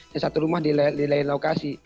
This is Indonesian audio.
dan satu rumah di lain lokasi